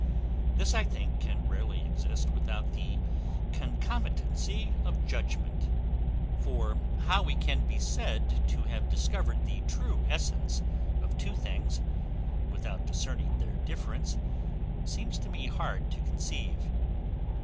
This, I think, can rarely exist without the concomitancy of judgment; for how we can be said to have discovered the true essence of two things, without discerning their difference, seems to me hard to conceive.